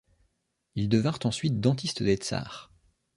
Ils devinrent ensuite dentistes des Tsars.